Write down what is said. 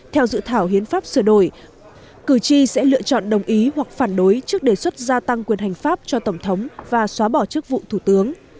theo dự thảo hiến pháp sửa đổi cử tri sẽ lựa chọn đồng ý hoặc phản đối trước đề xuất gia tăng quyền hành pháp cho tổng thống và xóa bỏ chức vụ thủ tướng